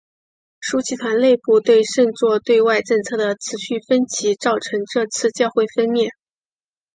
枢机团内部对圣座对外政策的持续分歧造成这次教会分裂。